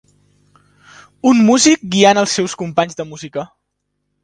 Un músic guiant els seus companys de música.